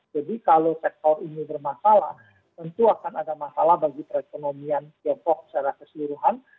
jadi kalau sektor ini bermasalah tentu akan ada masalah bagi perekonomian tiongkok secara keseluruhan